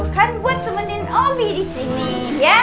kan buat temenin obi di sini ya